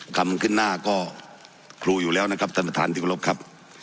ขึ้นหน้าก็ครูอยู่แล้วนะครับท่านประธานที่กรบครับ